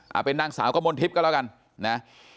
เอาเป็นนางสาวกมลทิพย์ก็แล้วกันนะ